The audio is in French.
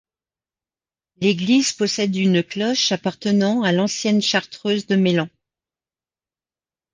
L'église possède une cloche appartenant à l'ancienne chartreuse de Mélan.